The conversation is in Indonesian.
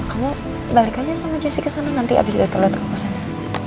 kamu balik aja sama jessy kesana nanti abis dari toilet kok kesana